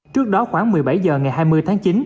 trước đó khoảng một mươi bảy h ngày hai mươi tháng chín